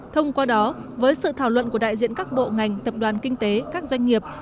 thông qua đó với sự thảo luận của đại diện các bộ ngành tập đoàn kinh tế các doanh nghiệp